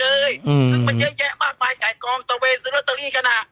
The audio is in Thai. ซึ่งมันเยอะแยะมากมายไก่กองตะเวนซื้อลอตเตอรี่กันอ่ะ